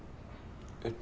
えっ？